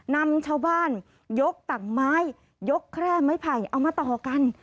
นำชาวบ้านยกต่างไม้ยกแคร่ไม้ไผ่เอามาต่อกัน